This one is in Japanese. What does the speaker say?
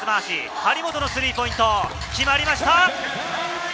張本のスリーポイント、決まりました！